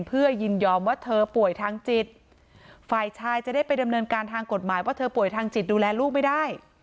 เพื่อยินยอมว่าเธอป่วยทางจิตฝ่ายชายจะได้ไปดำเนินการทางกฎหมายว่าเธอป่วยทางจิตดูแลลูกไม่ได้